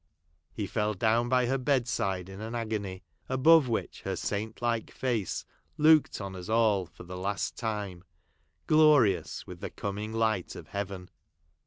— he fell down by her bedside in an agony — above which her saint like face looked on us all, for the last time, glorious with the coming light of heaven.